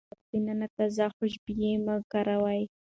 د کور دننه تيز خوشبويي مه کاروئ.